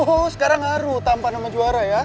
oh sekarang harus tampan sama juara ya